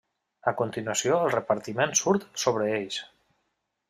A continuació el repartiment surt sobre ells.